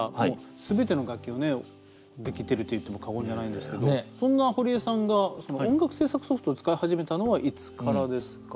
全ての楽器をできてるといっても過言じゃないんですけどそんな堀江さんが音楽制作ソフトを使い始めたのはいつからですか？